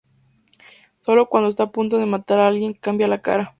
Sólo cuando está a punto de matar a alguien, cambia la cara.